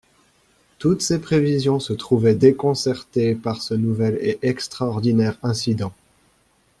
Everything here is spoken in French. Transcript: Toutes ses prévisions se trouvaient déconcertées par ce nouvel et extraordinaire incident.